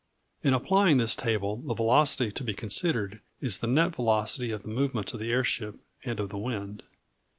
000 |++++ In applying this table, the velocity to be considered is the net velocity of the movements of the airship and of the wind.